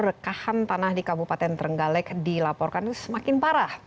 rekahan tanah di kabupaten trenggalek dilaporkan itu semakin parah